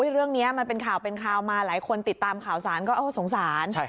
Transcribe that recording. เรื่องนี้มันเป็นข่าวเป็นข่าวมาหลายคนติดตามข่าวสารก็สงสาร